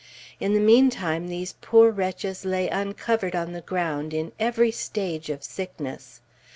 In the mean time these poor wretches lay uncovered on the ground, in every stage of sickness.